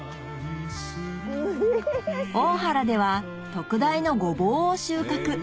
大原では特大のゴボウを収穫